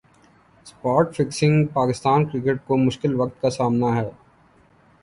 spot fixing Pakistan cricket کو مشکل وقت کا سامنا ہے